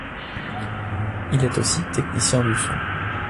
Il est aussi technicien du son.